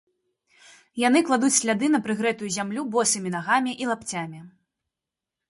Яны кладуць сляды на прыгрэтую зямлю босымі нагамі і лапцямі.